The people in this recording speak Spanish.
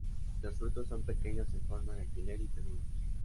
Los frutos son pequeños en forma de alfiler y peludos.